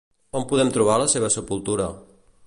On podem trobar la seva sepultura?